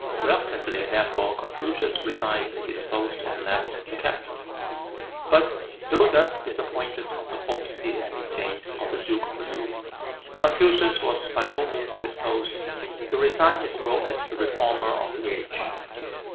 Reluctantly therefore Confucius resigned his post and left the capital. But though thus disappointed of the hopes he entertained of the duke of Loo, Confucius was by no means disposed to resign his role as the reformer of the age.